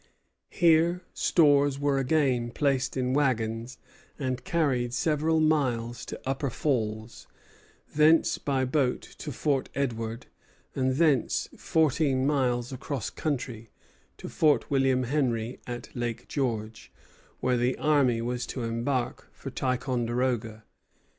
Here stores were again placed in wagons and carried several miles to Upper Falls; thence by boat to Fort Edward; and thence, fourteen miles across country, to Fort William Henry at Lake George, where the army was to embark for Ticonderoga.